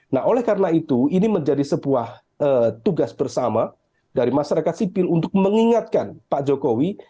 nah oleh karena itu ini menjadi sebuah tugas bersama dari masyarakat sipil untuk mengingatkan pak jokowi